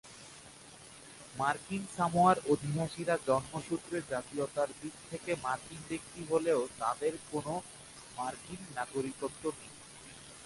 মার্কিন সামোয়ার অধিবাসীরা জন্মসূত্রে জাতীয়তার দিকে থেকে মার্কিন ব্যক্তি হলেও তাদের কোনও মার্কিন নাগরিকত্ব নেই।